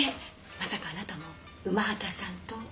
まさかあなたも午端さんと？